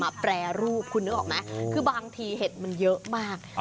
แปรรูปคุณนึกออกไหมคือบางทีเห็ดมันเยอะมาก